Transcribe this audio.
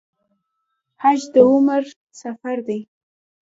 حج د عمر سفر دی